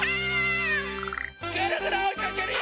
ぐるぐるおいかけるよ！